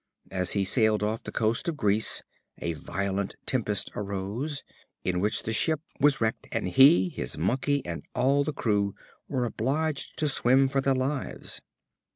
As he sailed off the coast of Greece, a violent tempest arose, in which the ship was wrecked, and he, his Monkey and all the crew were obliged to swim for their lives.